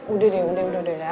udah deh udah deh